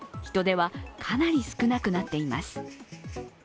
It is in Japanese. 人出はかなり少なくなっています。